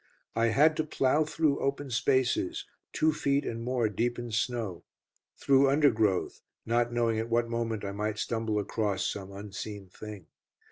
I had to plough through open spaces, two feet and more deep in snow, through undergrowth, not knowing at what moment I might stumble across some unseen thing.